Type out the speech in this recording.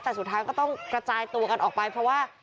แต่สุดท้ายก็ต้องกระจายตัวกันออกไปเพราะว่า